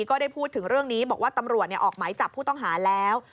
ก็ได้พูดถึงเรื่องนี้บอกว่าตำรวจออกหมายจับผู้ต้องหาแล้ว